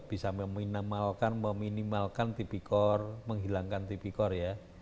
negara ini cepat cepat bisa meminimalkan meminimalkan tp core menghilangkan tp core ya